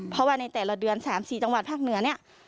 เพราะว่าในแต่ละเดือน๓๔จังหวัดภาคเหนือเนี่ย